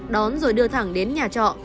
đón rồi đưa thẳng đến nhà trọ